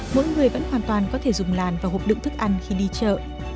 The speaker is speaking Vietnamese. mỗi người vẫn hoàn toàn có thể dùng làn và hộp đựng thức ăn khi đi chợ